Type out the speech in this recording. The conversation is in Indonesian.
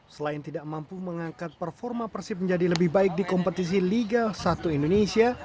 selain tidak mampu mengangkat performa persib menjadi lebih baik di kompetisi liga satu indonesia